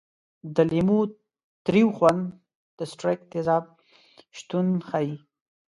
د لیمو تریو خوند د ستریک تیزاب شتون ښيي.